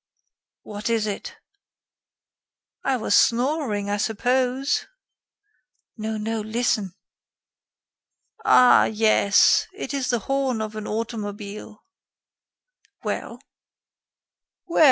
"What is it?" "I was snoring, I suppose." "No, no, listen." "Ah! yes, it is the horn of an automobile." "Well?" "Well!